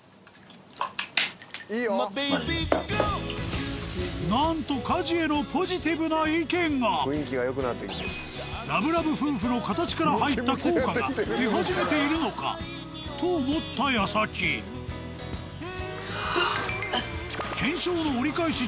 マジでなんと家事へのポジティブな意見がラブラブ夫婦の形から入った効果が出始めているのか？と思ったやさき検証の折り返し